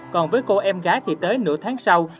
còn với cô em gái thì tới nửa tháng sau